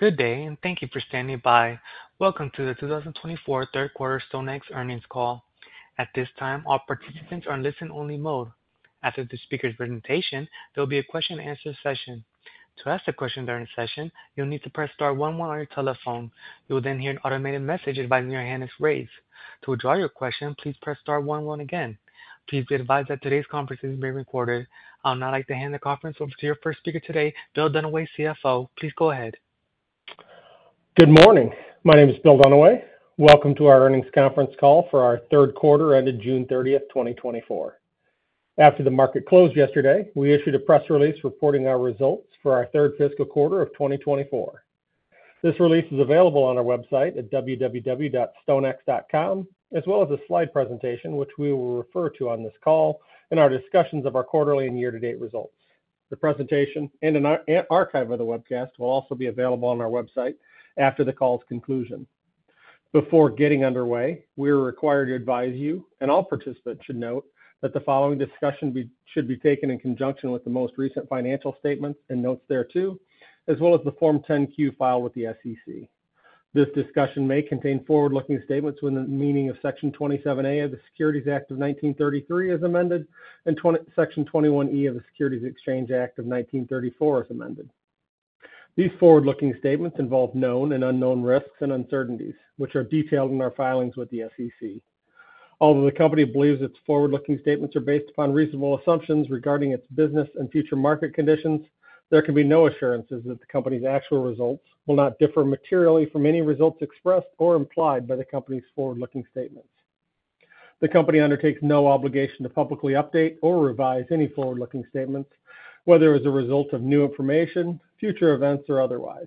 Good day, and thank you for standing by. Welcome to the 2024 Third Quarter StoneX Earnings Call. At this time, all participants are in listen-only mode. After the speaker's presentation, there will be a question-and-answer session. To ask a question during the session, you'll need to press star one on your telephone. You will then hear an automated message advising your hand is raised. To withdraw your question, please press star one one again. Please be advised that today's conference is being recorded. I would now like to hand the conference over to your first speaker today, Bill Dunaway, CFO. Please go ahead. Good morning. My name is Bill Dunaway. Welcome to our earnings conference call for our third quarter ended June 30, 2024. After the market closed yesterday, we issued a press release reporting our results for our third fiscal quarter of 2024. This release is available on our website at www.stonex.com, as well as a slide presentation, which we will refer to on this call in our discussions of our quarterly and year-to-date results. The presentation and an archive of the webcast will also be available on our website after the call's conclusion. Before getting underway, we are required to advise you, and all participants should note that the following discussion should be taken in conjunction with the most recent financial statements and notes thereto, as well as the Form 10-Q filed with the SEC. This discussion may contain forward-looking statements within the meaning of Section 27A of the Securities Act of 1933, as amended, and Section 21E of the Securities Exchange Act of 1934, as amended. These forward-looking statements involve known and unknown risks and uncertainties, which are detailed in our filings with the SEC. Although the company believes its forward-looking statements are based upon reasonable assumptions regarding its business and future market conditions, there can be no assurances that the company's actual results will not differ materially from any results expressed or implied by the company's forward-looking statements. The company undertakes no obligation to publicly update or revise any forward-looking statements, whether as a result of new information, future events, or otherwise.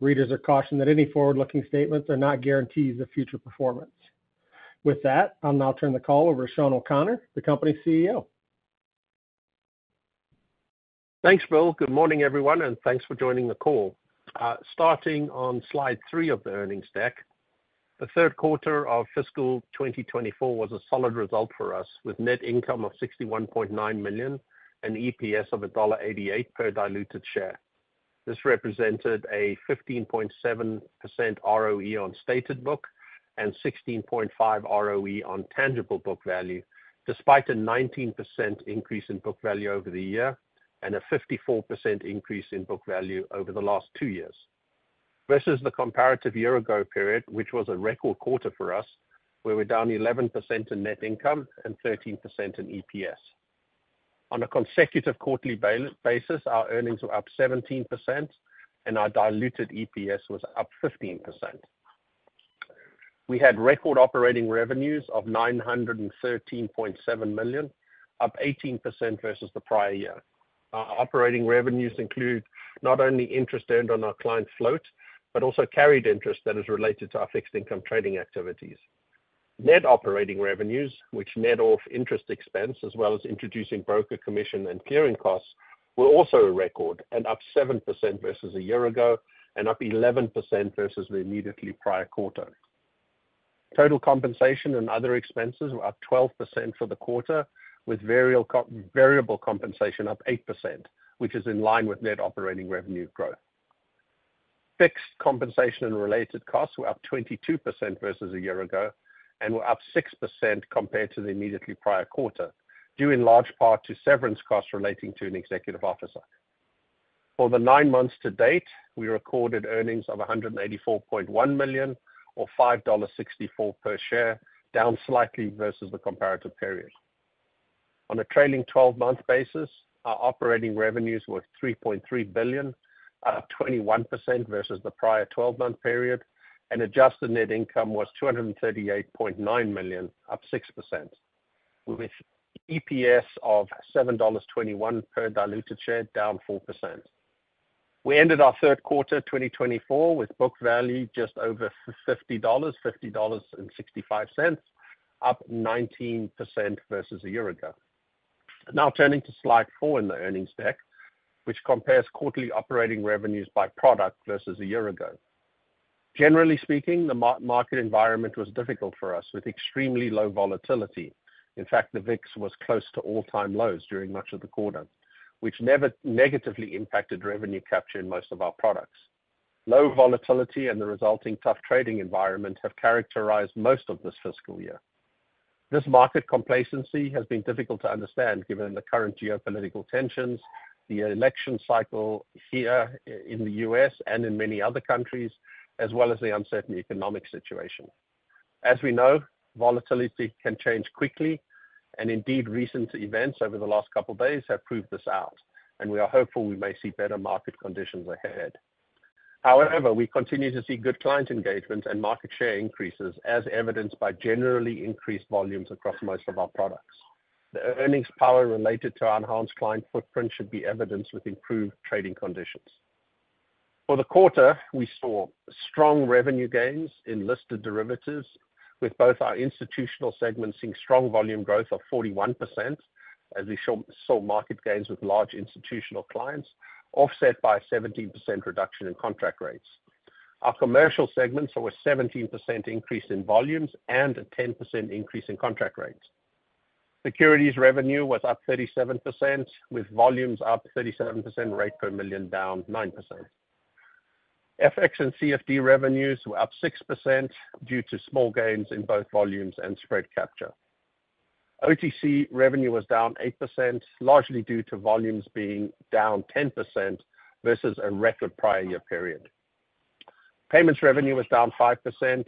Readers are cautioned that any forward-looking statements are not guarantees of future performance. With that, I'll now turn the call over to Sean O'Connor, the company's CEO. Thanks, Bill. Good morning, everyone, and thanks for joining the call. Starting on slide three of the earnings deck, the third quarter of fiscal 2024 was a solid result for us, with net income of $61.9 million and EPS of $1.88 per diluted share. This represented a 15.7% ROE on stated book and 16.5% ROE on tangible book value, despite a 19% increase in book value over the year and a 54% increase in book value over the last two years. Versus the comparative year ago period, which was a record quarter for us, we were down 11% in net income and 13% in EPS. On a consecutive quarterly basis, our earnings were up 17% and our diluted EPS was up 15%. We had record operating revenues of $913.7 million, up 18% versus the prior year. Our operating revenues include not only interest earned on our client float, but also carried interest that is related to our fixed income trading activities. Net operating revenues, which net off interest expense, as well as introducing broker commission and clearing costs, were also a record and up 7% versus a year ago and up 11% versus the immediately prior quarter. Total compensation and other expenses were up 12% for the quarter, with variable compensation up 8%, which is in line with net operating revenue growth. Fixed compensation and related costs were up 22% versus a year ago and were up 6% compared to the immediately prior quarter, due in large part to severance costs relating to an executive officer. For the nine months to date, we recorded earnings of $184.1 million, or $5.64 per share, down slightly versus the comparative period. On a trailing 12-month basis, our operating revenues were $3.3 billion, up 21% versus the prior 12-month period, and adjusted net income was $238.9 million, up 6%, with EPS of $7.21 per diluted share, down 4%. We ended our third quarter, 2024, with book value just over $50, $50.65, up 19% versus a year ago. Now, turning to slide four in the earnings deck, which compares quarterly operating revenues by product versus a year ago. Generally speaking, the market environment was difficult for us, with extremely low volatility. In fact, the VIX was close to all-time lows during much of the quarter, which negatively impacted revenue capture in most of our products. Low volatility and the resulting tough trading environment have characterized most of this fiscal year. This market complacency has been difficult to understand, given the current geopolitical tensions, the election cycle here in the U.S. and in many other countries, as well as the uncertain economic situation. As we know, volatility can change quickly, and indeed, recent events over the last couple of days have proved this out, and we are hopeful we may see better market conditions ahead. However, we continue to see good client engagement and market share increases, as evidenced by generally increased volumes across most of our products. The earnings power related to our enhanced client footprint should be evidenced with improved trading conditions. For the quarter, we saw strong revenue gains in listed derivatives, with both our institutional segments seeing strong volume growth of 41%, as we saw market gains with large institutional clients, offset by a 17% reduction in contract rates. Our commercial segments saw a 17% increase in volumes and a 10% increase in contract rates. Securities revenue was up 37%, with volumes up 37%, rate per million down 9%. FX and CFD revenues were up 6% due to small gains in both volumes and spread capture. OTC revenue was down 8%, largely due to volumes being down 10% versus a record prior year period. Payments revenue was down 5%,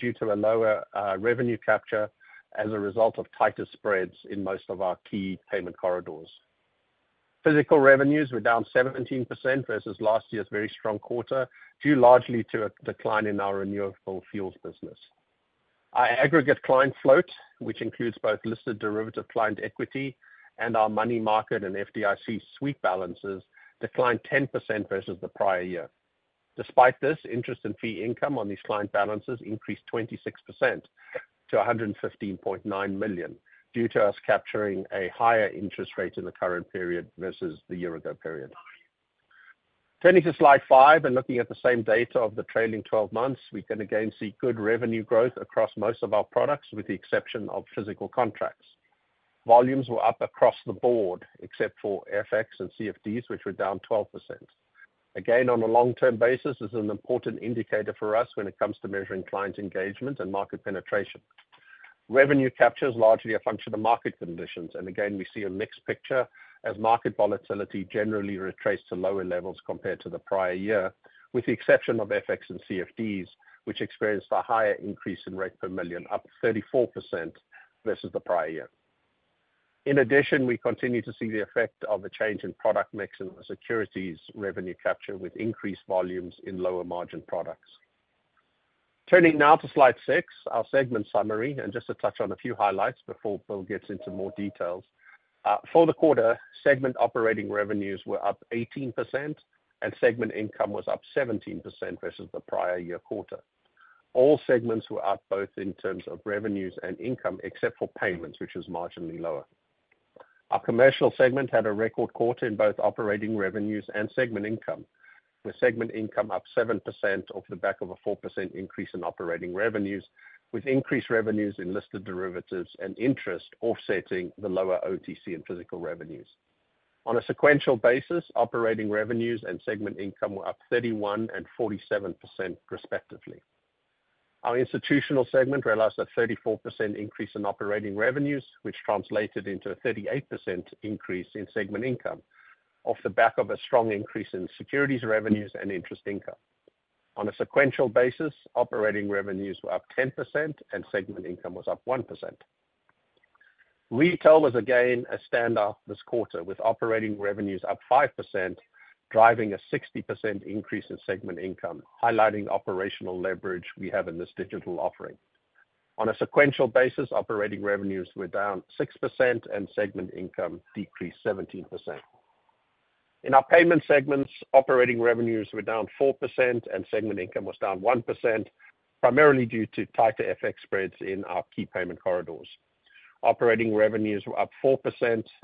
due to a lower revenue capture as a result of tighter spreads in most of our key payment corridors. Physical revenues were down 17% versus last year's very strong quarter, due largely to a decline in our renewable fuels business. Our aggregate client float, which includes both listed derivative client equity and our money market and FDIC sweep balances, declined 10% versus the prior year. Despite this, interest and fee income on these client balances increased 26% to $115.9 million, due to us capturing a higher interest rate in the current period versus the year ago period. Turning to slide five and looking at the same data of the trailing twelve months, we can again see good revenue growth across most of our products, with the exception of physical contracts. Volumes were up across the board, except for FX and CFDs, which were down 12%. Again, on a long-term basis, this is an important indicator for us when it comes to measuring client engagement and market penetration. Revenue capture is largely a function of market conditions, and again, we see a mixed picture as market volatility generally retraced to lower levels compared to the prior year, with the exception of FX and CFDs, which experienced a higher increase in rate per million, up 34% versus the prior year. In addition, we continue to see the effect of a change in product mix in the securities revenue capture with increased volumes in lower margin products. Turning now to slide six, our segment summary, and just to touch on a few highlights before Bill gets into more details. For the quarter, segment operating revenues were up 18%, and segment income was up 17% versus the prior year quarter. All segments were up, both in terms of revenues and income, except for payments, which was marginally lower. Our commercial segment had a record quarter in both operating revenues and segment income, with segment income up 7% off the back of a 4% increase in operating revenues, with increased revenues in listed derivatives and interest offsetting the lower OTC and physical revenues. On a sequential basis, operating revenues and segment income were up 31% and 47% respectively. Our institutional segment realized a 34% increase in operating revenues, which translated into a 38% increase in segment income, off the back of a strong increase in securities revenues and interest income. On a sequential basis, operating revenues were up 10% and segment income was up 1%. Retail was again a standout this quarter, with operating revenues up 5%, driving a 60% increase in segment income, highlighting the operational leverage we have in this digital offering. On a sequential basis, operating revenues were down 6%, and segment income decreased 17%. In our payment segments, operating revenues were down 4%, and segment income was down 1%, primarily due to tighter FX spreads in our key payment corridors. Operating revenues were up 4%,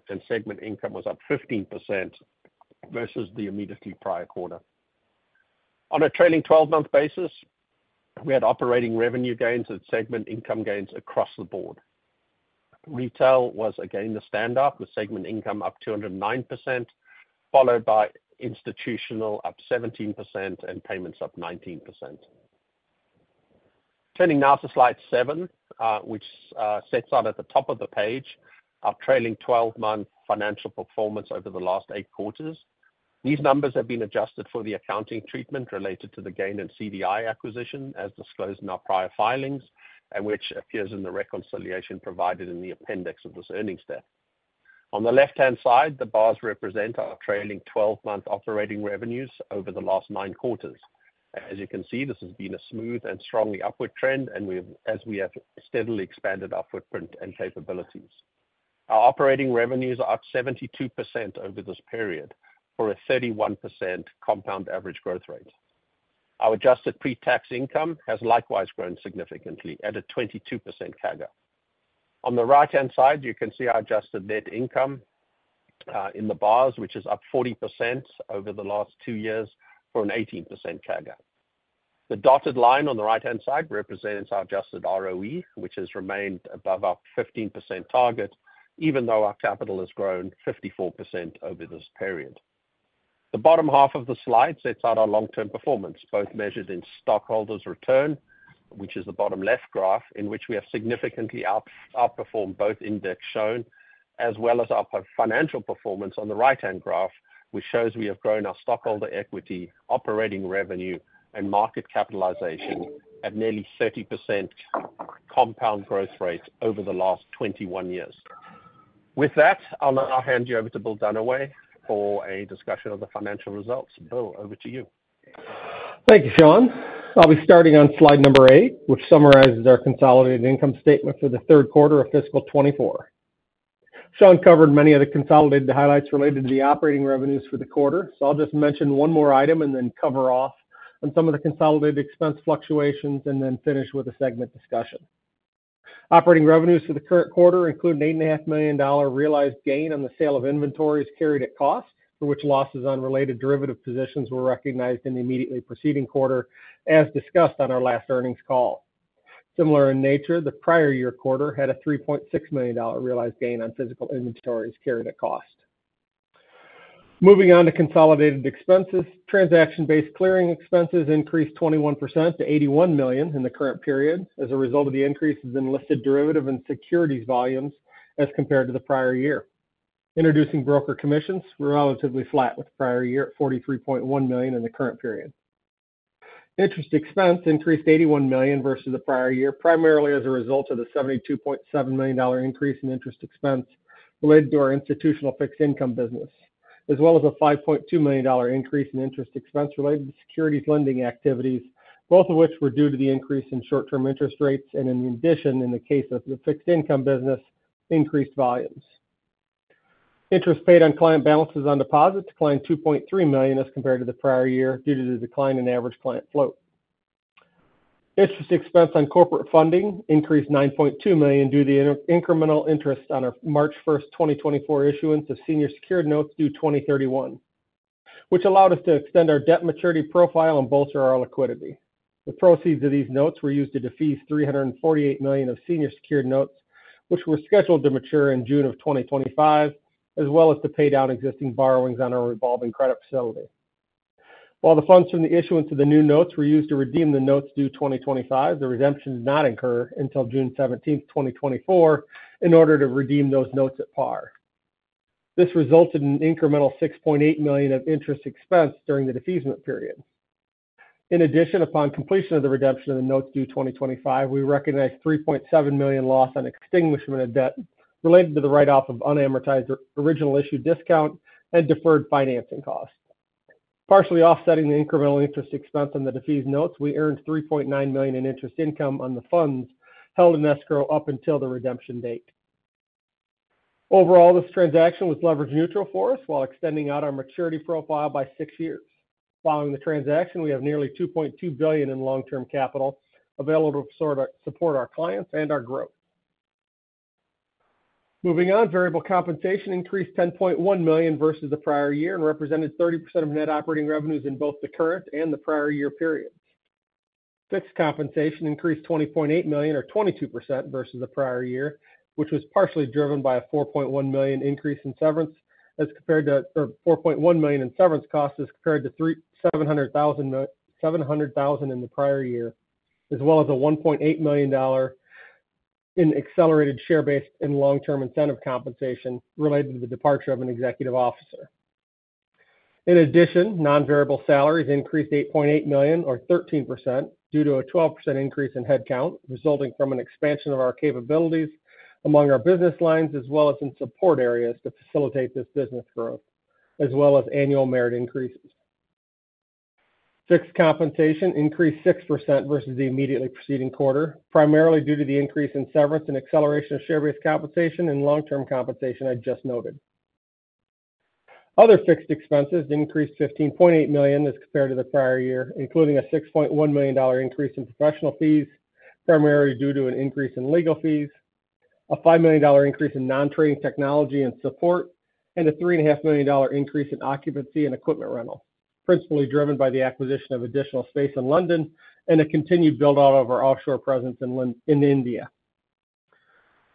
and segment income was up 15% versus the immediately prior quarter. On a trailing 12-month basis, we had operating revenue gains and segment income gains across the board. Retail was again the standout, with segment income up 209%, followed by institutional, up 17%, and payments, up 19%. Turning now to slide seven, which sets out at the top of the page, our trailing twelve-month financial performance over the last eight quarters. These numbers have been adjusted for the accounting treatment related to the GAIN and CDI acquisition, as disclosed in our prior filings, and which appears in the reconciliation provided in the appendix of this earnings deck. On the left-hand side, the bars represent our trailing 12-month operating revenues over the last nine quarters. As you can see, this has been a smooth and strongly upward trend, and as we have steadily expanded our footprint and capabilities. Our operating revenues are up 72% over this period, for a 31% compound average growth rate. Our adjusted pre-tax income has likewise grown significantly at a 22% CAGR. On the right-hand side, you can see our adjusted net income in the bars, which is up 40% over the last two years, for an 18% CAGR. The dotted line on the right-hand side represents our adjusted ROE, which has remained above our 15% target, even though our capital has grown 54% over this period. The bottom half of the slide sets out our long-term performance, both measured in stockholders' return, which is the bottom left graph, in which we have significantly outperformed both indexes shown, as well as our peer financial performance on the right-hand graph, which shows we have grown our stockholder equity, operating revenue, and market capitalization at nearly 30% compound growth rate over the last 21 years. With that, I'll now hand you over to Bill Dunaway for a discussion of the financial results. Bill, over to you. Thank you, Sean. I'll be starting on slide number eight, which summarizes our consolidated income statement for the third quarter of fiscal 2024. Sean covered many of the consolidated highlights related to the operating revenues for the quarter, so I'll just mention one more item and then cover off on some of the consolidated expense fluctuations, and then finish with a segment discussion. Operating revenues for the current quarter include an $8.5 million realized gain on the sale of inventories carried at cost, for which losses on related derivative positions were recognized in the immediately preceding quarter, as discussed on our last earnings call. Similar in nature, the prior year quarter had a $3.6 million realized gain on physical inventories carried at cost. Moving on to consolidated expenses. Transaction-based clearing expenses increased 21% to $81 million in the current period as a result of the increases in listed derivative and securities volumes as compared to the prior year. Introducing broker commissions were relatively flat with the prior year at $43.1 million in the current period. Interest expense increased to $81 million versus the prior year, primarily as a result of the $72.7 million increase in interest expense related to our institutional fixed income business, as well as a $5.2 million increase in interest expense related to securities lending activities, both of which were due to the increase in short-term interest rates, and in addition, in the case of the fixed income business, increased volumes. Interest paid on client balances on deposits declined $2.3 million as compared to the prior year, due to the decline in average client float. Interest expense on corporate funding increased $9.2 million due to the incremental interest on our March 1, 2024 issuance of senior secured notes due 2031, which allowed us to extend our debt maturity profile and bolster our liquidity. The proceeds of these notes were used to defease $348 million of senior secured notes, which were scheduled to mature in June 2025, as well as to pay down existing borrowings on our revolving credit facility. While the funds from the issuance of the new notes were used to redeem the notes due 2025, the redemption did not occur until June 17, 2024, in order to redeem those notes at par. This resulted in an incremental $6.8 million of interest expense during the defeasance period. In addition, upon completion of the redemption of the notes due 2025, we recognized $3.7 million loss on extinguishment of debt related to the write-off of unamortized original issue discount and deferred financing costs. Partially offsetting the incremental interest expense on the defeased notes, we earned $3.9 million in interest income on the funds held in escrow up until the redemption date. Overall, this transaction was leverage neutral for us while extending out our maturity profile by six years. Following the transaction, we have nearly $2.2 billion in long-term capital available to sort of support our clients and our growth. Moving on, variable compensation increased $10.1 million versus the prior year and represented 30% of net operating revenues in both the current and the prior year periods. Fixed compensation increased $20.8 million, or 22% versus the prior year, which was partially driven by a $4.1 million increase in severance or $4.1 million in severance costs as compared to $370,000 in the prior year, as well as a $1.8 million in accelerated share-based and long-term incentive compensation related to the departure of an executive officer. In addition, non-variable salaries increased $8.8 million, or 13%, due to a 12% increase in headcount, resulting from an expansion of our capabilities among our business lines, as well as in support areas to facilitate this business growth, as well as annual merit increases. Fixed compensation increased 6% versus the immediately preceding quarter, primarily due to the increase in severance and acceleration of share-based compensation and long-term compensation I just noted. Other fixed expenses increased $15.8 million as compared to the prior year, including a $6.1 million increase in professional fees, primarily due to an increase in legal fees, a $5 million increase in non-trading technology and support, and a $3.5 million increase in occupancy and equipment rental, principally driven by the acquisition of additional space in London and a continued build-out of our offshore presence in India.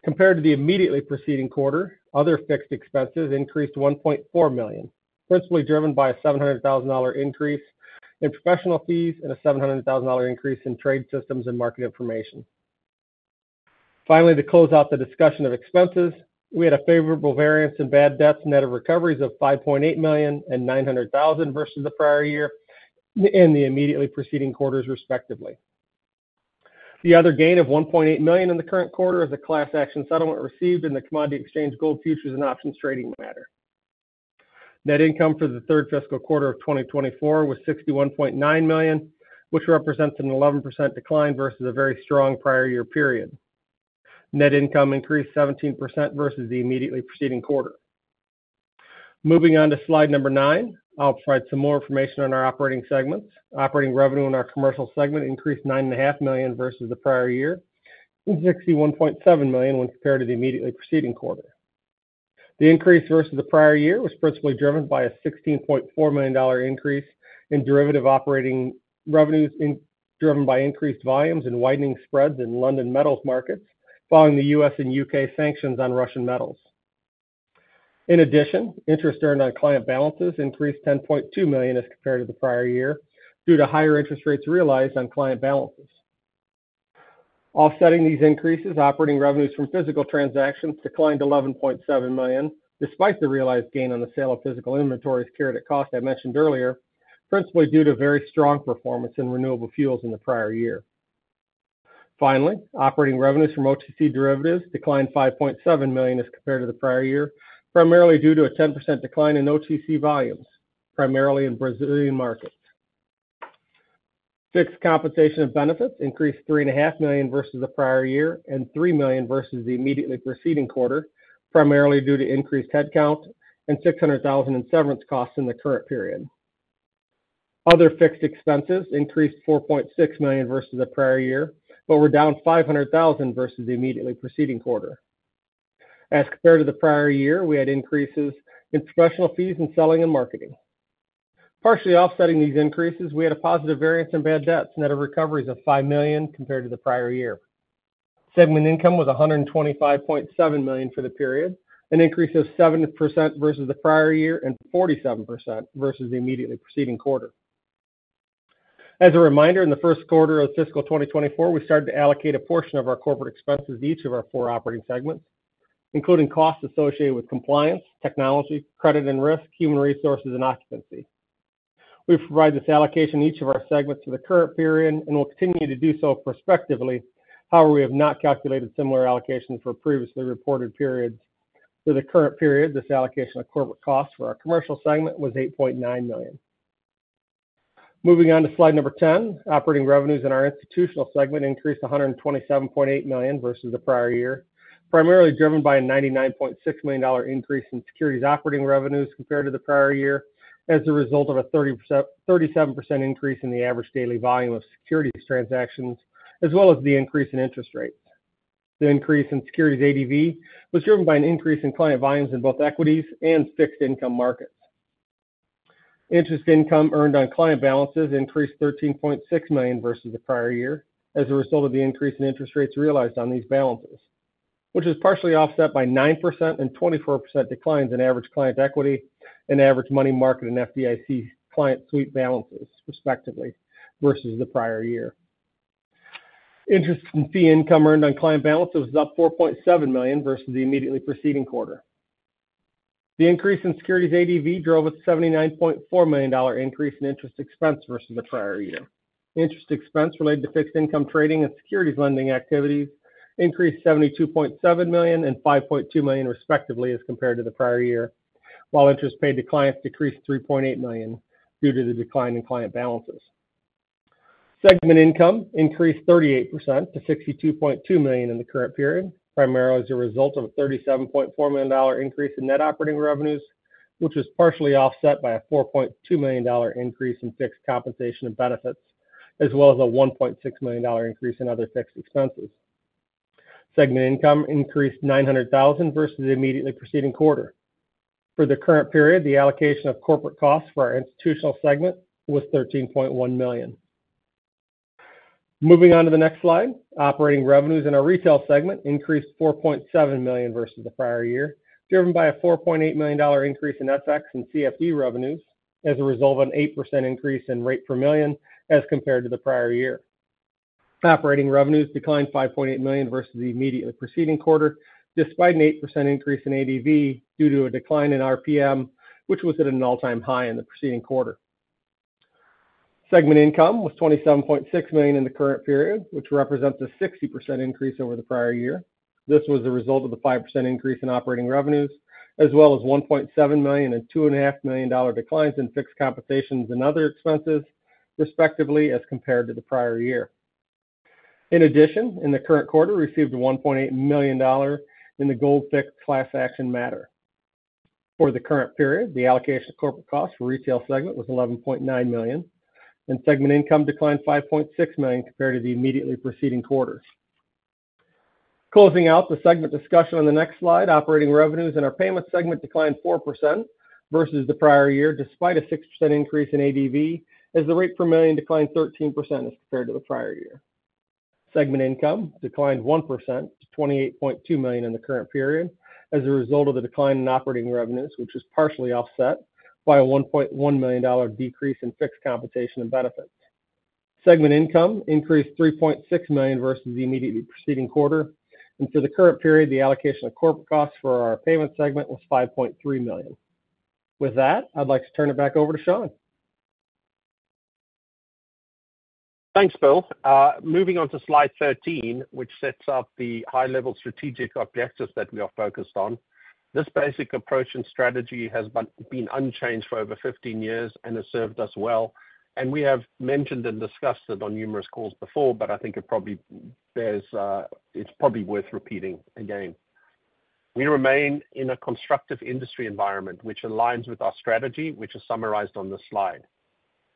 Compared to the immediately preceding quarter, other fixed expenses increased to $1.4 million, principally driven by a $700,000 increase in professional fees and a $700,000 increase in trade systems and market information. Finally, to close out the discussion of expenses, we had a favorable variance in bad debts, net of recoveries of $5.8 million and $900,000 versus the prior year in the immediately preceding quarters, respectively. The other gain of $1.8 million in the current quarter is a class action settlement received in the Commodity Exchange, gold futures and options trading matter. Net income for the third fiscal quarter of 2024 was $61.9 million, which represents an 11% decline versus a very strong prior year period. Net income increased 17% versus the immediately preceding quarter. Moving on to slide number nine. I'll provide some more information on our operating segments. Operating revenue in our commercial segment increased $9.5 million versus the prior year, and $61.7 million when compared to the immediately preceding quarter. The increase versus the prior year was principally driven by a $16.4 million increase in derivative operating revenues, driven by increased volumes and widening spreads in London metals markets following the U.S. and U.K. sanctions on Russian metals. In addition, interest earned on client balances increased $10.2 million as compared to the prior year, due to higher interest rates realized on client balances. Offsetting these increases, operating revenues from physical transactions declined to $11.7 million, despite the realized gain on the sale of physical inventories carried at cost I mentioned earlier, principally due to very strong performance in renewable fuels in the prior year. Finally, operating revenues from OTC derivatives declined $5.7 million as compared to the prior year, primarily due to a 10% decline in OTC volumes, primarily in Brazilian markets. Fixed compensation and benefits increased $3.5 million versus the prior year and $3 million versus the immediately preceding quarter, primarily due to increased headcount and $600,000 in severance costs in the current period. Other fixed expenses increased $4.6 million versus the prior year, but were down $500,000 versus the immediately preceding quarter. As compared to the prior year, we had increases in professional fees in selling and marketing. Partially offsetting these increases, we had a positive variance in bad debts, net of recoveries of $5 million compared to the prior year. Segment income was $125.7 million for the period, an increase of 70% versus the prior year and 47% versus the immediately preceding quarter. As a reminder, in the first quarter of fiscal 2024, we started to allocate a portion of our corporate expenses to each of our four operating segments, including costs associated with compliance, technology, credit and risk, human resources, and occupancy. We provide this allocation in each of our segments for the current period and will continue to do so prospectively. However, we have not calculated similar allocations for previously reported periods. For the current period, this allocation of corporate costs for our commercial segment was $8.9 million. Moving on to slide number 10. Operating revenues in our institutional segment increased $127.8 million versus the prior year, primarily driven by a $99.6 million increase in securities operating revenues compared to the prior year, as a result of a 30%,37% increase in the average daily volume of securities transactions, as well as the increase in interest rates. The increase in securities ADV was driven by an increase in client volumes in both equities and fixed income markets. Interest income earned on client balances increased $13.6 million versus the prior year, as a result of the increase in interest rates realized on these balances, which is partially offset by 9% and 24% declines in average client equity and average money market and FDIC client sweep balances, respectively, versus the prior year. Interest and fee income earned on client balances was up $4.7 million versus the immediately preceding quarter. The increase in securities ADV drove a $79.4 million increase in interest expense versus the prior year. Interest expense related to fixed income trading and securities lending activities increased $72.7 million and $5.2 million, respectively, as compared to the prior year, while interest paid to clients decreased $3.8 million due to the decline in client balances. Segment income increased 38% to $62.2 million in the current period, primarily as a result of a $37.4 million increase in net operating revenues, which was partially offset by a $4.2 million increase in fixed compensation and benefits, as well as a $1.6 million increase in other fixed expenses. Segment income increased $900,000 versus the immediately preceding quarter. For the current period, the allocation of corporate costs for our institutional segment was $13.1 million. Moving on to the next slide, operating revenues in our retail segment increased $4.7 million versus the prior year, driven by a $4.8 million increase in FX and CFD revenues as a result of an 8% increase in rate per million as compared to the prior year. Operating revenues declined $5.8 million versus the immediately preceding quarter, despite an 8% increase in ADV due to a decline in RPM, which was at an all-time high in the preceding quarter. Segment income was $27.6 million in the current period, which represents a 60% increase over the prior year. This was a result of the 5% increase in operating revenues, as well as $1.7 million and $2.5 million dollar declines in fixed compensations and other expenses, respectively, as compared to the prior year. In addition, in the current quarter, received a $1.8 million dollar in the Gold Fix class action matter. For the current period, the allocation of corporate costs for retail segment was $11.9 million, and segment income declined $5.6 million compared to the immediately preceding quarters. Closing out the segment discussion on the next slide, operating revenues in our payments segment declined 4% versus the prior year, despite a 6% increase in ADV, as the rate per million declined 13% as compared to the prior year. Segment income declined 1% to $28.2 million in the current period as a result of the decline in operating revenues, which was partially offset by a $1.1 million decrease in fixed compensation and benefits. Segment income increased $3.6 million versus the immediately preceding quarter, and for the current period, the allocation of corporate costs for our payment segment was $5.3 million. With that, I'd like to turn it back over to Sean. Thanks, Bill. Moving on to slide 13, which sets out the high-level strategic objectives that we are focused on. This basic approach and strategy has been unchanged for over 15 years and has served us well, and we have mentioned and discussed it on numerous calls before, but I think it's probably worth repeating again. We remain in a constructive industry environment, which aligns with our strategy, which is summarized on this slide.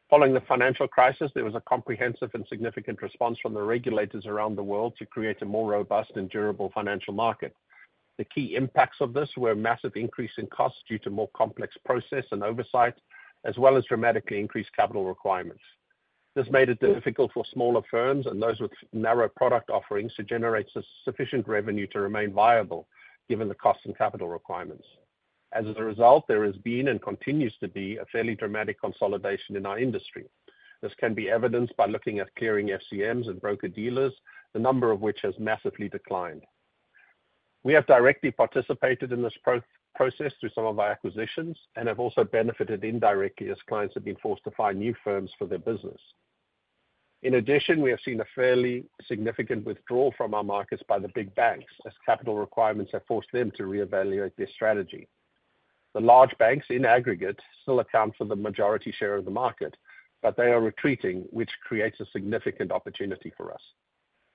Following the financial crisis, there was a comprehensive and significant response from the regulators around the world to create a more robust and durable financial market. The key impacts of this were a massive increase in costs due to more complex process and oversight, as well as dramatically increased capital requirements. This made it difficult for smaller firms and those with narrow product offerings to generate sufficient revenue to remain viable, given the cost and capital requirements. As a result, there has been and continues to be a fairly dramatic consolidation in our industry. This can be evidenced by looking at clearing FCMs and broker-dealers, the number of which has massively declined. We have directly participated in this process through some of our acquisitions and have also benefited indirectly as clients have been forced to find new firms for their business. In addition, we have seen a fairly significant withdrawal from our markets by the big banks, as capital requirements have forced them to reevaluate their strategy. The large banks, in aggregate, still account for the majority share of the market, but they are retreating, which creates a significant opportunity for us.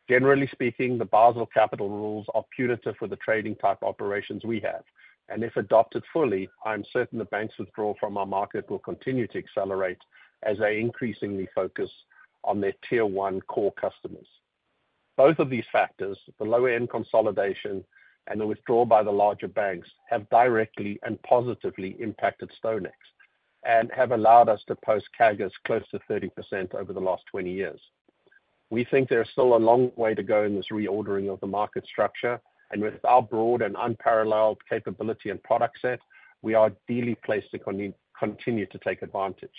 Generally speaking, the Basel capital rules are punitive for the trading-type operations we have, and if adopted fully, I am certain the banks' withdrawal from our market will continue to accelerate as they increasingly focus on their Tier one core customers. Both of these factors, the lower end consolidation and the withdrawal by the larger banks, have directly and positively impacted StoneX, and have allowed us to post CAGRs close to 30% over the last 20 years. We think there is still a long way to go in this reordering of the market structure, and with our broad and unparalleled capability and product set, we are ideally placed to continue to take advantage.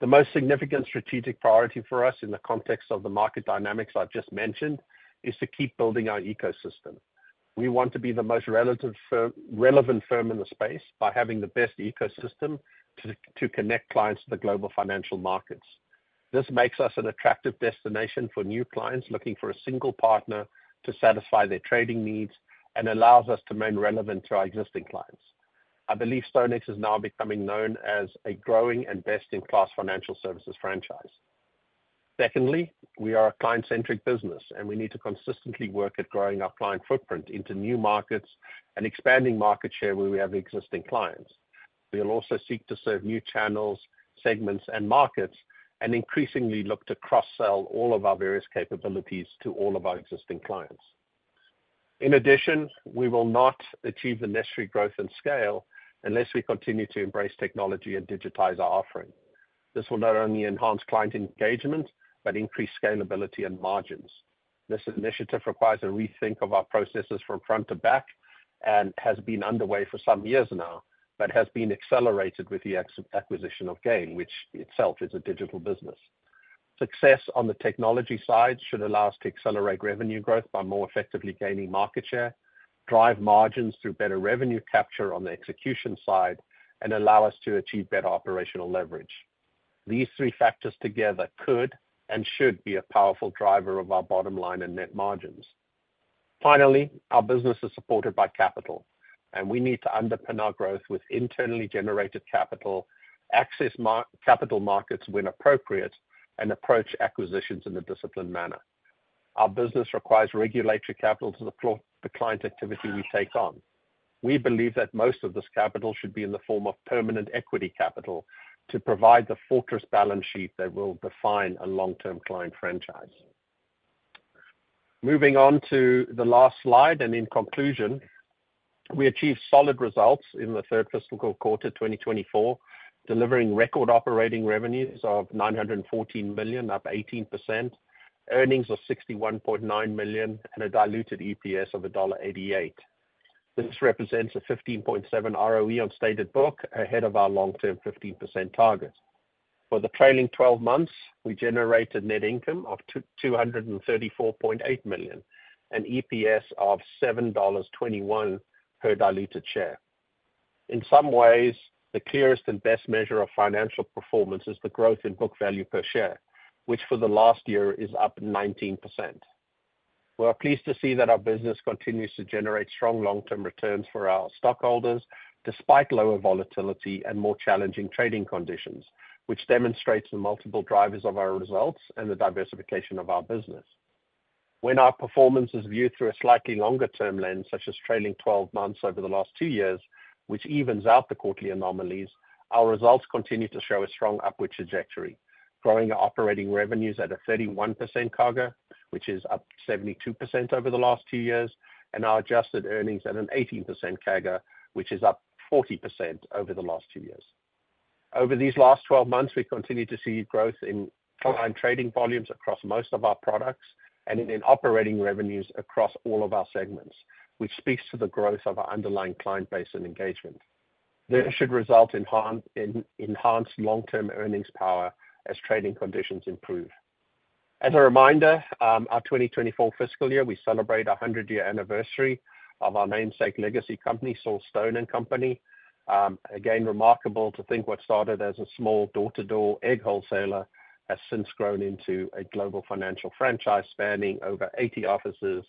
The most significant strategic priority for us in the context of the market dynamics I've just mentioned, is to keep building our ecosystem. We want to be the most relevant firm in the space by having the best ecosystem to connect clients to the global financial markets. This makes us an attractive destination for new clients looking for a single partner to satisfy their trading needs, and allows us to remain relevant to our existing clients. I believe StoneX is now becoming known as a growing and best-in-class financial services franchise. Secondly, we are a client-centric business, and we need to consistently work at growing our client footprint into new markets and expanding market share where we have existing clients. We'll also seek to serve new channels, segments, and markets, and increasingly look to cross-sell all of our various capabilities to all of our existing clients. In addition, we will not achieve the necessary growth and scale unless we continue to embrace technology and digitize our offering. This will not only enhance client engagement, but increase scalability and margins. This initiative requires a rethink of our processes from front to back, and has been underway for some years now, but has been accelerated with the acquisition of Gain, which itself is a digital business. Success on the technology side should allow us to accelerate revenue growth by more effectively gaining market share, drive margins through better revenue capture on the execution side, and allow us to achieve better operational leverage. These three factors together could and should be a powerful driver of our bottom line and net margins. Finally, our business is supported by capital, and we need to underpin our growth with internally-generated capital, access capital markets when appropriate, and approach acquisitions in a disciplined manner. Our business requires regulatory capital to deploy the client activity we take on. We believe that most of this capital should be in the form of permanent equity capital to provide the fortress balance sheet that will define a long-term client franchise. Moving on to the last slide, and in conclusion, we achieved solid results in the third fiscal quarter, 2024, delivering record operating revenues of $914 million, up 18%, earnings of $61.9 million, and a diluted EPS of $1.88. This represents a 15.7 ROE on stated book, ahead of our long-term 15% target. For the trailing 12 months, we generated net income of $234.8 million, an EPS of $7.21 per diluted share. In some ways, the clearest and best measure of financial performance is the growth in book value per share, which for the last year is up 19%. We are pleased to see that our business continues to generate strong long-term returns for our stockholders, despite lower volatility and more challenging trading conditions, which demonstrates the multiple drivers of our results and the diversification of our business. When our performance is viewed through a slightly longer-term lens, such as trailing 12 months over the last two years, which evens out the quarterly anomalies, our results continue to show a strong upward trajectory, growing our operating revenues at a 31% CAGR, which is up 72% over the last two years, and our adjusted earnings at an 18% CAGR, which is up 40% over the last two years. Over these last 12 months, we continued to see growth in client trading volumes across most of our products, and in operating revenues across all of our segments, which speaks to the growth of our underlying client base and engagement. This should result in in enhanced long-term earnings power as trading conditions improve. As a reminder, our 2024 fiscal year, we celebrate our 100-year anniversary of our namesake legacy company, Saul Stone and Company. Again, remarkable to think what started as a small door-to-door egg wholesaler, has since grown into a global financial franchise spanning over 80 offices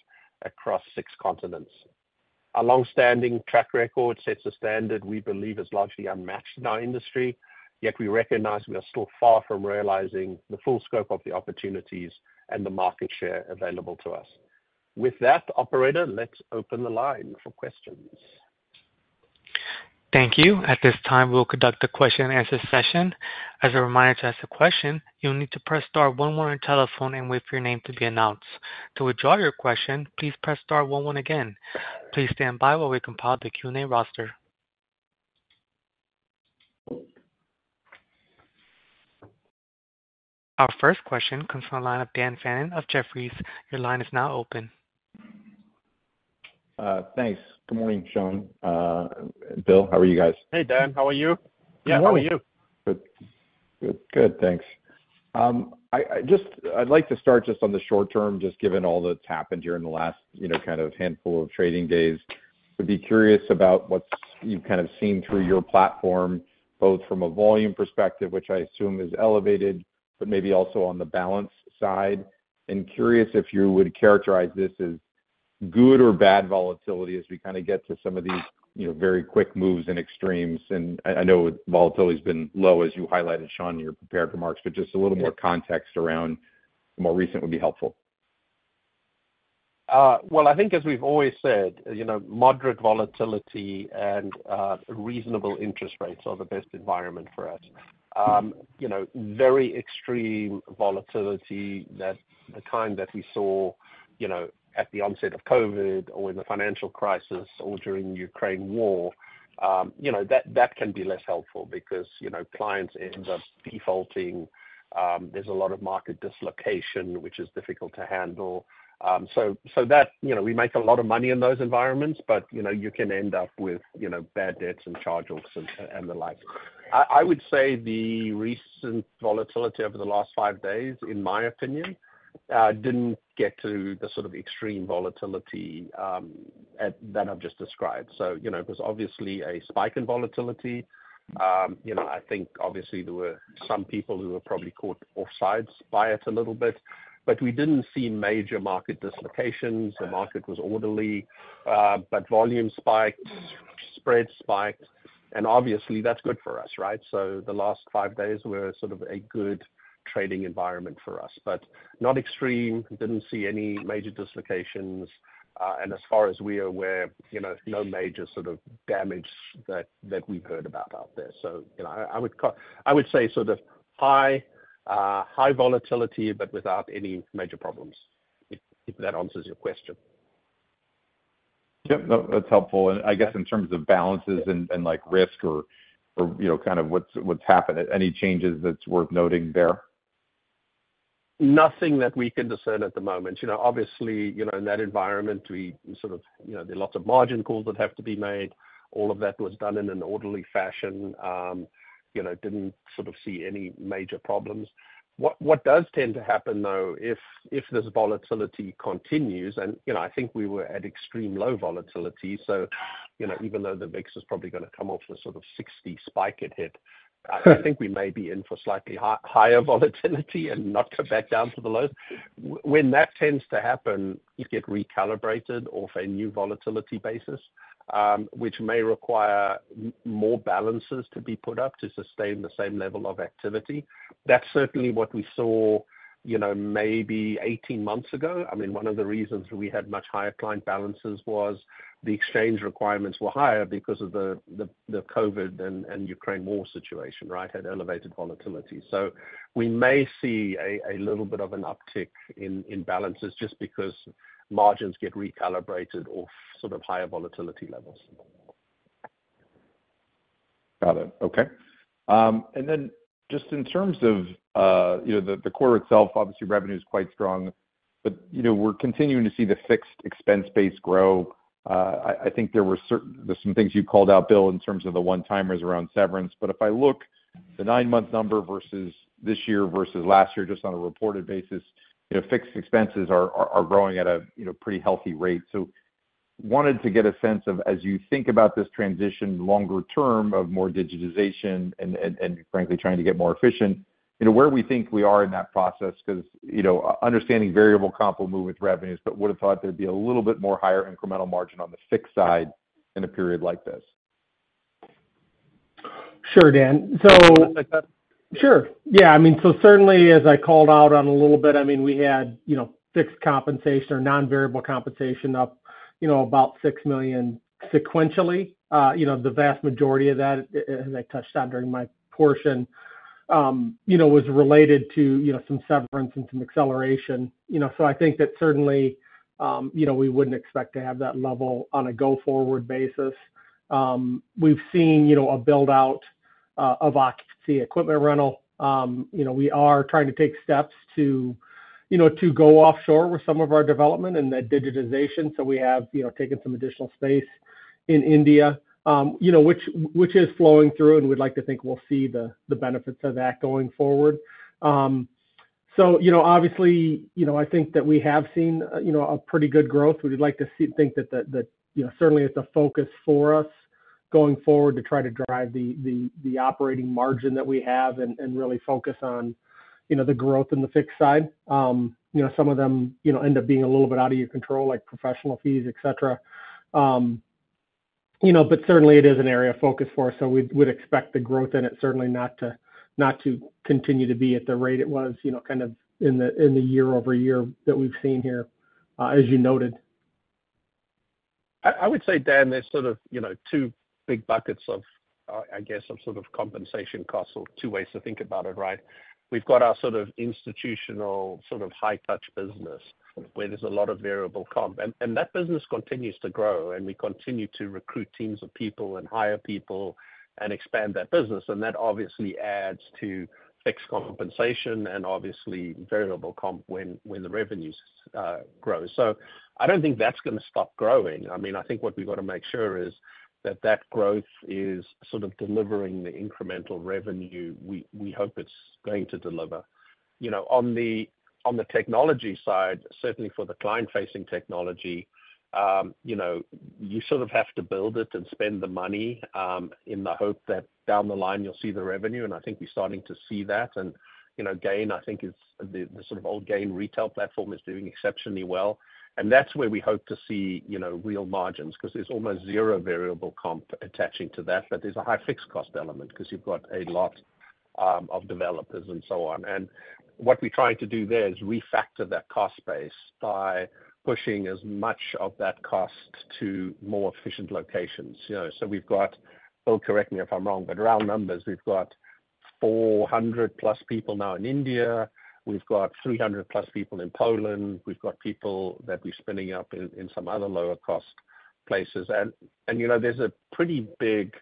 across 6 continents. Our long-standing track record sets a standard we believe is largely unmatched in our industry, yet we recognize we are still far from realizing the full scope of the opportunities and the market share available to us. With that, operator, let's open the line for questions. Thank you. At this time, we'll conduct a question-and-answer session. As a reminder, to ask a question, you'll need to press star one on your telephone and wait for your name to be announced. To withdraw your question, please press star one one again. Please stand by while we compile the Q&A roster. Our first question comes from the line of Dan Fannon of Jefferies. Your line is now open. Thanks. Good morning, Sean, Bill. How are you guys? Hey, Dan, how are you? Yeah, how are you? Good. Good, thanks. I'd like to start just on the short term, just given all that's happened here in the last, you know, kind of handful of trading days. Would be curious about what you've kind of seen through your platform, both from a volume perspective, which I assume is elevated, but maybe also on the balance side. And curious if you would characterize this as good or bad volatility as we kinda get to some of these, you know, very quick moves and extremes. And I know volatility's been low, as you highlighted, Sean, in your prepared remarks, but just a little more context around the more recent would be helpful. Well, I think as we've always said, you know, moderate volatility and reasonable interest rates are the best environment for us. You know, very extreme volatility, that the kind that we saw, you know, at the onset of COVID or in the financial crisis or during the Ukraine war, you know, that can be less helpful because, you know, clients end up defaulting. There's a lot of market dislocation, which is difficult to handle. So that, you know, we make a lot of money in those environments, but, you know, you can end up with, you know, bad debts and charge-offs and the like. I would say the recent volatility over the last five days, in my opinion, didn't get to the sort of extreme volatility that I've just described. So, you know, it was obviously a spike in volatility. You know, I think obviously there were some people who were probably caught off sides by it a little bit, but we didn't see major market dislocations. The market was orderly, but volume spiked, spread spiked, and obviously that's good for us, right? So the last five days were sort of a good trading environment for us, but not extreme. Didn't see any major dislocations, and as far as we are aware, you know, no major sort of damage that we've heard about out there. So, you know, I would say sort of high, high volatility, but without any major problems, if that answers your question. Yep. No, that's helpful. And I guess in terms of balances and, like, risk or, you know, kind of what's happened, any changes that's worth noting there? Nothing that we can discern at the moment. You know, obviously, you know, in that environment, we sort of, you know, there are lots of margin calls that have to be made. All of that was done in an orderly fashion. You know, didn't sort of see any major problems. What does tend to happen, though, if this volatility continues, and, you know, I think we were at extreme low volatility, so, you know, even though the VIX is probably gonna come off the sort of 60 spike it hit, I think we may be in for slightly higher volatility and not go back down to the lows. When that tends to happen, you get recalibrated off a new volatility basis, which may require more balances to be put up to sustain the same level of activity. That's certainly what we saw, you know, maybe 18 months ago. I mean, one of the reasons we had much higher client balances was the exchange requirements were higher because of the COVID and Ukraine war situation, right? Had elevated volatility. So we may see a little bit of an uptick in balances just because margins get recalibrated off sort of higher volatility levels. Got it. Okay. And then just in terms of, you know, the quarter itself, obviously revenue is quite strong, but, you know, we're continuing to see the fixed expense base grow. I think there's some things you called out, Bill, in terms of the one-timers around severance, but if I look the nine-month number versus this year versus last year, just on a reported basis, you know, fixed expenses are growing at a, you know, pretty healthy rate. So, wanted to get a sense of, as you think about this transition longer term of more digitization and frankly, trying to get more efficient, you know, where we think we are in that process, 'cause, you know, understanding variable comp will move with revenues, but would've thought there'd be a little bit more higher incremental margin on the fixed side in a period like this. Sure, Dan. So- [inaudible] Sure. Yeah, I mean, so certainly as I called out on a little bit, I mean, we had, you know, fixed compensation or non-variable compensation up, you know, about $6 million sequentially. You know, the vast majority of that, as I touched on during my portion, you know, was related to, you know, some severance and some acceleration. You know, so I think that certainly, you know, we wouldn't expect to have that level on a go-forward basis. We've seen, you know, a build-out of occupancy equipment rental. You know, we are trying to take steps to, you know, to go offshore with some of our development and the digitization. So we have, you know, taken some additional space in India, you know, which, which is flowing through, and we'd like to think we'll see the, the benefits of that going forward. So, you know, obviously, you know, I think that we have seen, you know, a pretty good growth. We'd like to see—think that the, you know, certainly it's a focus for us going forward to try to drive the operating margin that we have and really focus on, you know, the growth in the FX side. You know, some of them, you know, end up being a little bit out of your control, like professional fees, et cetera. You know, but certainly it is an area of focus for us, so we'd expect the growth in it, certainly not to continue to be at the rate it was, you know, kind of in the year-over-year that we've seen here, as you noted. I would say, Dan, there's sort of, you know, two big buckets of, I guess, some sort of compensation costs or two ways to think about it, right? We've got our sort of institutional, sort of high touch business, where there's a lot of variable comp, and that business continues to grow, and we continue to recruit teams of people and hire people and expand that business, and that obviously adds to fixed compensation and obviously variable comp when the revenues grow. So I don't think that's gonna stop growing. I mean, I think what we've got to make sure is that that growth is sort of delivering the incremental revenue we hope it's going to deliver. You know, on the technology side, certainly for the client-facing technology, you know, you sort of have to build it and spend the money, in the hope that down the line you'll see the revenue, and I think we're starting to see that. And, you know, GAIN, I think, is the sort of old GAIN retail platform is doing exceptionally well, and that's where we hope to see, you know, real margins, 'cause there's almost zero variable comp attaching to that, but there's a high fixed cost element, 'cause you've got a lot of developers and so on. What we're trying to do there is refactor that cost base by pushing as much of that cost to more efficient locations, you know? So we've got, Bill, correct me if I'm wrong, but round numbers, we've got 400+ people now in India. We've got 300+ people in Poland. We've got people that we're spinning up in some other lower cost places. And you know, there's a pretty big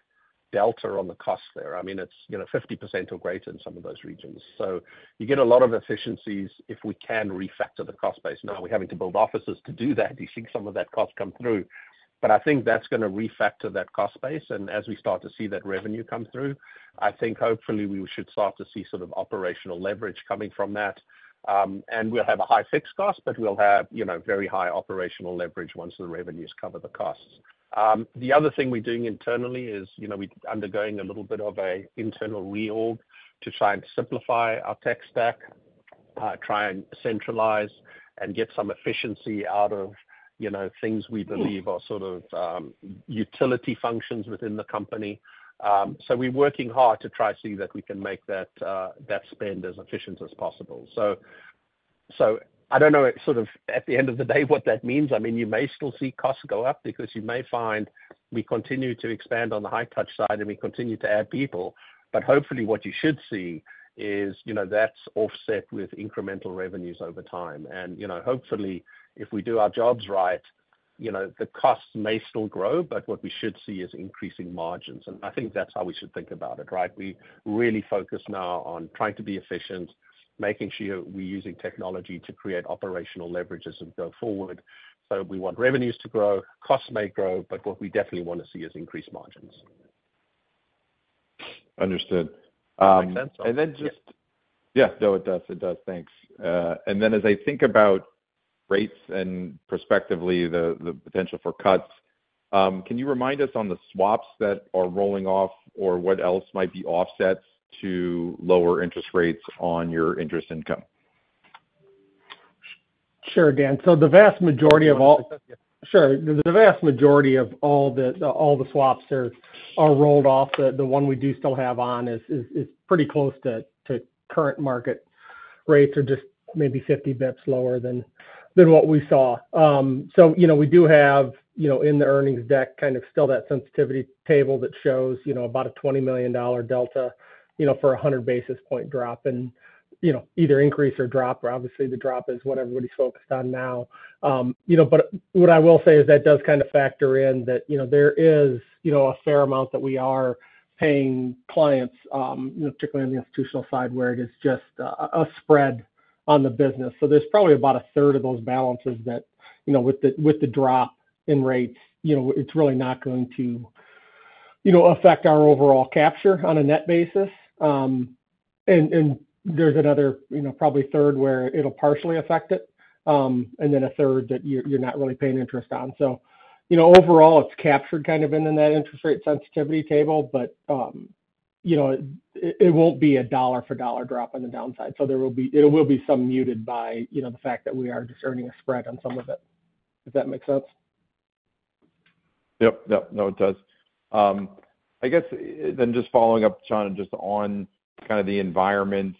delta on the cost there. I mean, it's you know, 50% or greater in some of those regions. So you get a lot of efficiencies if we can refactor the cost base. Now, we're having to build offices to do that, you see some of that cost come through. But I think that's gonna refactor that cost base. And as we start to see that revenue come through, I think hopefully we should start to see sort of operational leverage coming from that. And we'll have a high fixed cost, but we'll have you know, very high operational leverage once the revenues cover the costs. The other thing we're doing internally is, you know, we're undergoing a little bit of a internal reorg to try and simplify our tech stack, try and centralize and get some efficiency out of, you know, things we believe are sort of, utility functions within the company. So we're working hard to try to see that we can make that, that spend as efficient as possible. So I don't know, sort of, at the end of the day, what that means. I mean, you may still see costs go up because you may find we continue to expand on the high touch side, and we continue to add people, but hopefully what you should see is, you know, that's offset with incremental revenues over time. You know, hopefully, if we do our jobs right, you know, the costs may still grow, but what we should see is increasing margins. I think that's how we should think about it, right? We really focus now on trying to be efficient, making sure we're using technology to create operational leverages as we go forward. We want revenues to grow, costs may grow, but what we definitely want to see is increased margins. Understood. Make sense? And then just Yeah, no, it does. It does, thanks. And then as I think about rates and prospectively, the potential for cuts, can you remind us on the swaps that are rolling off or what else might be offsets to lower interest rates on your interest income? Sure, Dan. So the vast majority of all the swaps there are rolled off. The one we do still have on is pretty close to current market rates or just maybe 50 basis points lower than what we saw. So, you know, we do have, you know, in the earnings deck, kind of still that sensitivity table that shows, you know, about a $20 million delta, you know, for a 100 basis point drop in, you know, either increase or drop, but obviously the drop is what everybody's focused on now. You know, but what I will say is that does kind of factor in that, you know, there is, you know, a fair amount that we are paying clients, you know, particularly on the institutional side, where it is just, a spread on the business. So there's probably about a third of those balances that, you know, with the drop in rates, you know, it's really not going to, you know, affect our overall capture on a net basis. And there's another, you know, probably a third where it'll partially affect it, and then a third that you're not really paying interest on. So, you know, overall, it's captured kind of in the net interest rate sensitivity table, but, you know, it won't be a dollar for dollar drop on the downside. So it will be somewhat muted by, you know, the fact that we are just earning a spread on some of it. Does that make sense? Yep. Yep. No, it does. I guess then just following up, Sean, just on kind of the environment,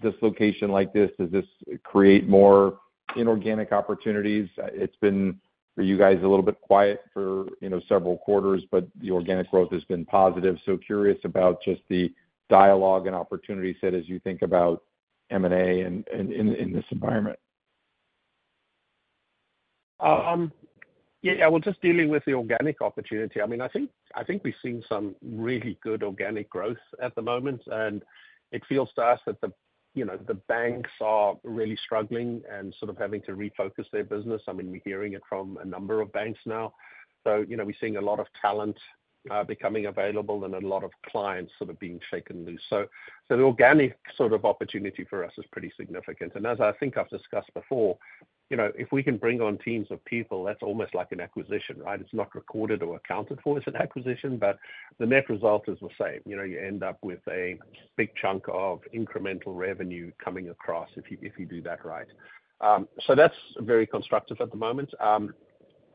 dislocation like this, does this create more inorganic opportunities? It's been, for you guys, a little bit quiet for, you know, several quarters, but the organic growth has been positive. So curious about just the dialogue and opportunity set as you think about M&A in this environment. Yeah, well, just dealing with the organic opportunity, I mean, I think, I think we've seen some really good organic growth at the moment, and it feels to us that the, you know, the banks are really struggling and sort of having to refocus their business. I mean, we're hearing it from a number of banks now. So, you know, we're seeing a lot of talent becoming available and a lot of clients sort of being shaken loose. So the organic sort of opportunity for us is pretty significant. And as I think I've discussed before, you know, if we can bring on teams of people, that's almost like an acquisition, right? It's not recorded or accounted for as an acquisition, but the net result is the same. You know, you end up with a big chunk of incremental revenue coming across if you, if you do that right. So that's very constructive at the moment.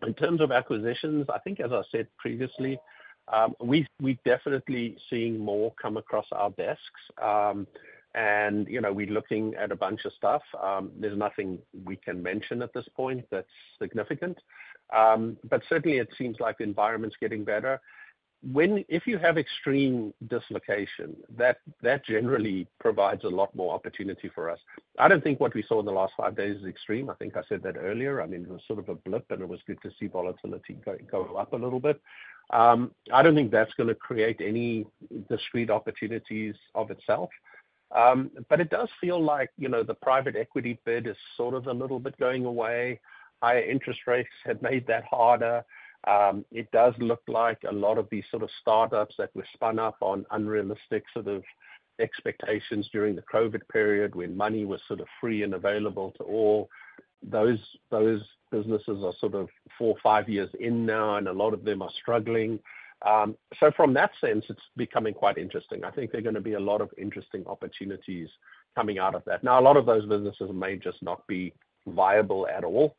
In terms of acquisitions, I think, as I said previously, we're definitely seeing more come across our desks. And, you know, we're looking at a bunch of stuff. There's nothing we can mention at this point that's significant. But certainly, it seems like the environment's getting better. If you have extreme dislocation, that generally provides a lot more opportunity for us. I don't think what we saw in the last five days is extreme. I think I said that earlier. I mean, it was sort of a blip, and it was good to see volatility go up a little bit. I don't think that's gonna create any discrete opportunities of itself, but it does feel like, you know, the private equity bid is sort of a little bit going away. Higher interest rates have made that harder. It does look like a lot of these sort of startups that were spun up on unrealistic sort of expectations during the COVID period, when money was sort of free and available to all, those businesses are sort of four or five years in now, and a lot of them are struggling. So from that sense, it's becoming quite interesting. I think there are gonna be a lot of interesting opportunities coming out of that. Now, a lot of those businesses may just not be viable at all,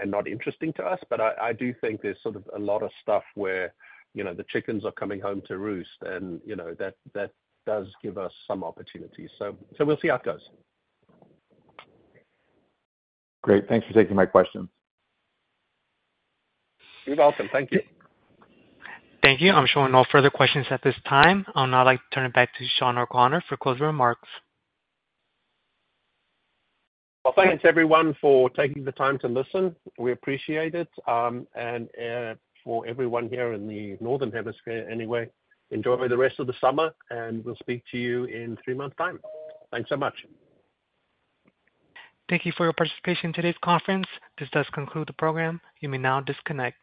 and not interesting to us, but I, I do think there's sort of a lot of stuff where, you know, the chickens are coming home to roost, and, you know, that, that does give us some opportunities. So, so we'll see how it goes. Great. Thanks for taking my questions. You're welcome. Thank you. Thank you. I'm showing no further questions at this time. I'll now like to turn it back to Sean O'Connor for closing remarks. Well, thanks, everyone, for taking the time to listen. We appreciate it. For everyone here in the Northern Hemisphere, anyway, enjoy the rest of the summer, and we'll speak to you in three months' time. Thanks so much. Thank you for your participation in today's conference. This does conclude the program. You may now disconnect.